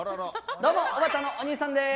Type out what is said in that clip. どうも、おばたのお兄さんです！